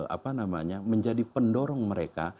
apa namanya menjadi pendorong mereka